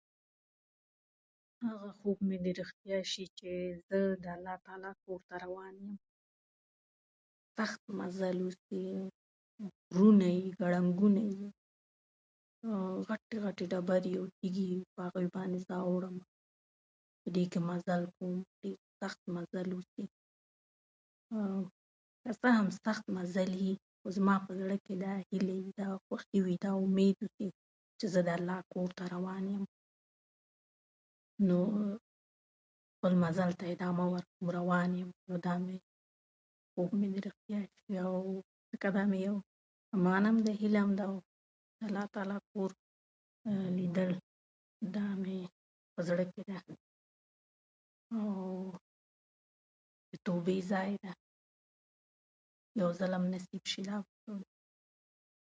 خدای دې زموږ او ستاسو نيک ارمانونه پوره کړي.